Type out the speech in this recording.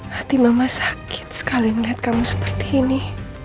hati mama sakit sekali melihat kamu seperti ini